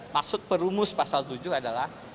maksud perumus pasal tujuh adalah